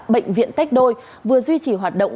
bệnh viện tách đôi vừa duy trì hoạt động